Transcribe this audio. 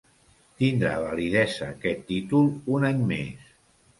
Tindrà validesa aquest títol un any més.